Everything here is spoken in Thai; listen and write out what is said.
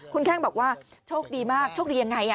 คุณแข้งบอกว่าโชคดีมากโชคดียังไง